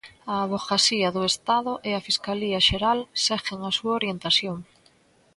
A Avogacía do Estado e a Fiscalía Xeral seguen a súa orientación.